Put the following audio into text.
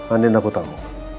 andien aku tau